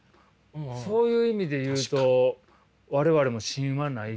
そういう意味で言うと我々も芯はない。